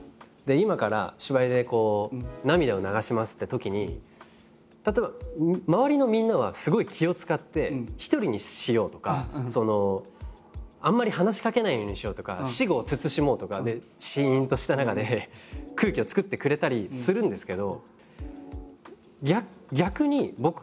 今から芝居で涙を流しますってときに例えば周りのみんなはすごい気を遣って一人にしようとかあんまり話しかけないようにしようとか私語を慎もうとかでしんとした中で空気を作ってくれたりするんですけど。